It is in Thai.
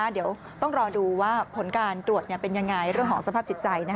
เดี๋ยวต้องรอดูว่าผลการตรวจเป็นยังไงเรื่องของสภาพจิตใจ